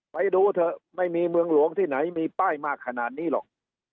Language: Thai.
ไปดูเถอะไม่มีเมืองหลวงที่ไหนมีป้ายมากขนาดนี้หรอก